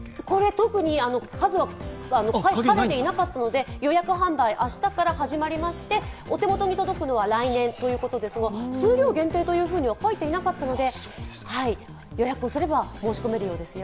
特に数は書かれていなかったので、予約販売、明日から始まりましてお手元に届くのは来年ということで、数量限定とは書いていなかったので、予約をすれば申し込めるようですよ。